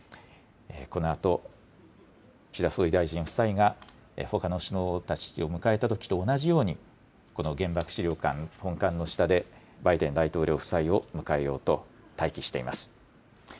このあと、岸田総理大臣夫妻がほかの首脳たちを迎えたときと同じように、この原爆資料館本館の下で、バイデン大統領夫妻を迎えようと待機しています。